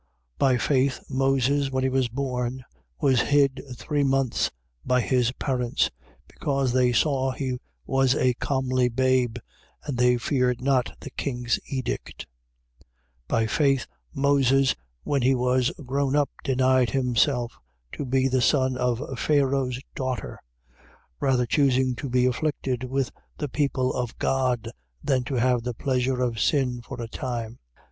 11:23. By faith Moses, when he was born, was hid three months by his parents: because they saw he was a comely babe, and they feared not the king's edict. 11:24. By faith Moses, when he was grown up, denied himself to be the son of Pharao's daughter: 11:25. Rather choosing to be afflicted with the people of God than to have the pleasure of sin for a time: 11:26.